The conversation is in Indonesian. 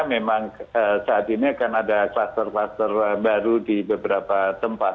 memang saat ini akan ada kluster kluster baru di beberapa tempat